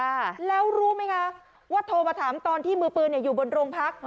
ค่ะแล้วรู้ไหมคะว่าโทรมาถามตอนที่มือปืนเนี่ยอยู่บนโรงพัก